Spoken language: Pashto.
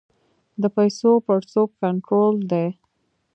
د پیسو پړسوب کنټرول دی؟